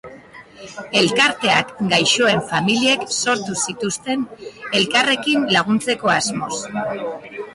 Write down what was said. Elkarteak gaixoen familiek sortu zituzten, elkarrekin laguntzeko asmoz.